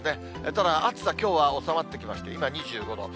ただ、暑さ、きょうは収まってきまして、今２５度。